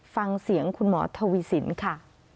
ฟังเสียงคุณหมอทวีสินค่ะ